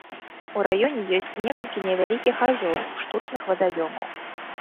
У раёне ёсць некалькі невялікіх азёр, штучных вадаёмаў.